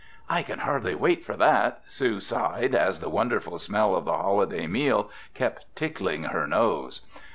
"I can hardly wait for that!" Sue sighed, as the wonderful smell of the holiday meal kept tickling her nose.